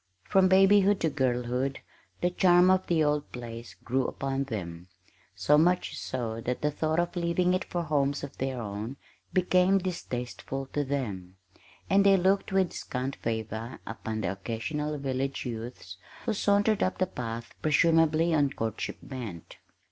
From babyhood to girlhood the charm of the old place grew upon them, so much so that the thought of leaving it for homes of their own became distasteful to them, and they looked with scant favor upon the occasional village youths who sauntered up the path presumably on courtship bent.